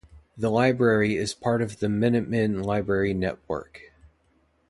The library is part of the Minuteman Library Network.